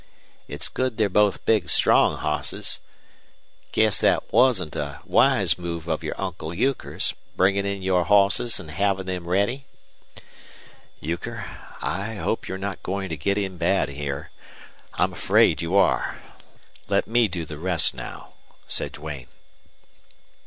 It's good they're both big, strong hosses. Guess thet wasn't a wise move of your Uncle Euchre's bringin' in your hosses an' havin' them ready?" "Euchre, I hope you're not going to get in bad here. I'm afraid you are. Let me do the rest now," said Duane.